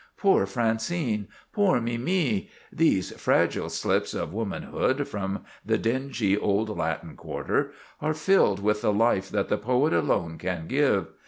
Poor Francine! Poor Mimi! These fragile slips of womanhood from the dingy old Latin Quarter are filled with the life that the poet alone can give.